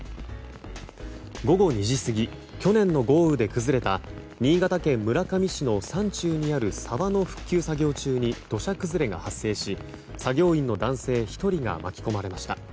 午後２時過ぎ去年の豪雨で崩れた新潟県村上市の山中にある沢の復旧作業中に土砂崩れが発生し作業員の男性１人が巻き込まれました。